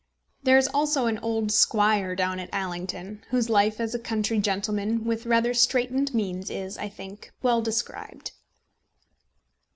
There is also an old squire down at Allington, whose life as a country gentleman with rather straitened means is, I think, well described.